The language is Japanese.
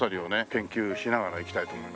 研究しながら行きたいと思いますけど。